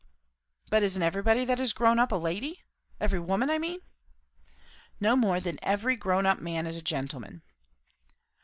'" "But isn't everybody that is grown up, a 'lady'? every woman, I mean?" "No more than every grown up man is a gentleman."